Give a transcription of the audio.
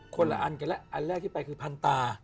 คนละอันกันแล้วอันแรกที่ไปคือพันตา